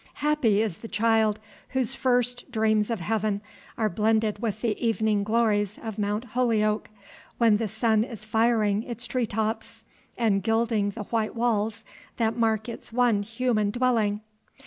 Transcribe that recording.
Happy is the child whose first dreams of heaven are blended with the evening glories of Mount Holyoke, when the sun is firing its treetops, and gilding the white walls that mark its one human dwelling!